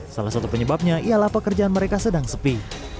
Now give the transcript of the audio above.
salah satu penyebabnya ialah pekerjaan mereka sedang sepi